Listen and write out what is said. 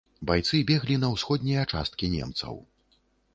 Байцы беглі на ўсходнія часткі немцаў.